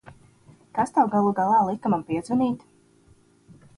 Kas tev galu galā lika man piezvanīt?